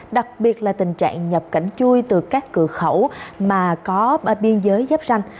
đặc biệt là tình trạng nhập cảnh chui từ các cửa khẩu mà có biên giới giáp ranh